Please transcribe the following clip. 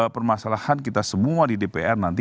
permasalahan kita semua di dpr nanti